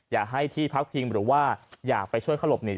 อย่าให้ที่พักพิงหรือว่าอยากไปช่วยเขาหลบหนี